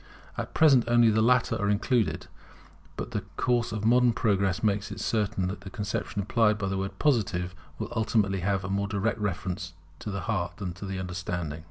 At present, only the latter are included; but the course of modern progress makes it certain that the conception implied by the word Positive, will ultimately have a more direct reference to the heart than to the understanding.